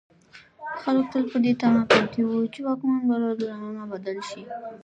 خلک تل په دې تمه پاتې وو چې واکمن به له دننه بدل شي.